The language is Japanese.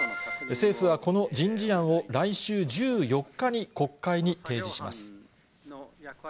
政府はこの人事案を来週１４日に国会に提示します。